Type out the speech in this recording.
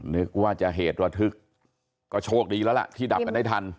นึกว่าจะเหตุระทึกก็โชคดีแล้วล่ะที่ดับกันได้ทัน